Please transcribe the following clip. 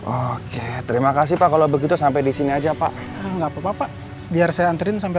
oke terima kasih pak kalau begitu sampai di sini aja pak enggak papa biar saya antri sampai